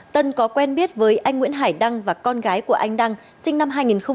tân có quen biết với anh nguyễn hải đăng và con gái của anh đăng sinh năm hai nghìn một mươi